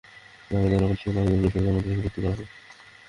তবে যারা ভর্তির জন্য আবেদন করেছিল, তাদের মধ্য থেকেই ভর্তি করা হবে।